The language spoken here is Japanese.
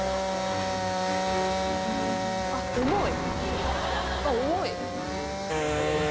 あっ重い！